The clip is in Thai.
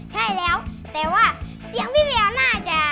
ใช่แล้วแต่ว่าเสียงพี่เวียวน่าจะ